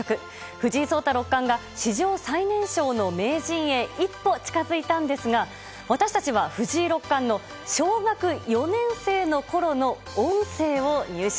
藤井聡太六冠が史上最年少の名人へ一歩近づいたんですが私たちは藤井六冠の小学４年生のころの音声を入手。